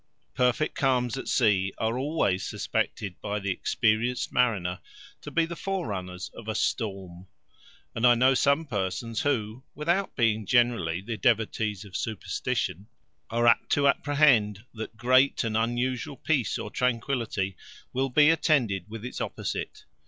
Perfect calms at sea are always suspected by the experienced mariner to be the forerunners of a storm, and I know some persons, who, without being generally the devotees of superstition, are apt to apprehend that great and unusual peace or tranquillity will be attended with its opposite.